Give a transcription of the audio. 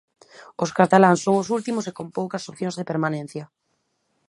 Os cataláns son os últimos e con poucas opcións de permanencia.